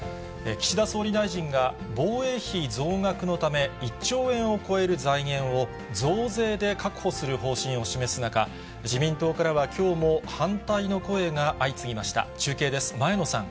岸田総理大臣が防衛費増額のため、１兆円を超える財源を、増税で確保する方針を示す中、自民党からはきょうも反対の声が相次ぎました。